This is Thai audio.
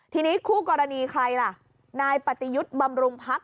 ทีนี้คู่กรณีใครล่ะนายปฏิยุทธ์บำรุงพัก